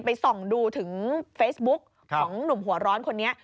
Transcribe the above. โปรดติดตามต่อไป